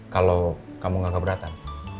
kalau kamu gak keberatan